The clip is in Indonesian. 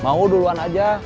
mau duluan aja